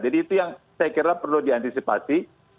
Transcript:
itu yang saya kira perlu diantisipasi